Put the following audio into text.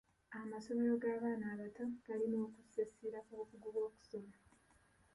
Amasomero g'abaana abato galina okussa essira ku bukugu bw'okusoma.